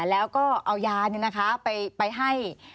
แล้วก็เอายาไปให้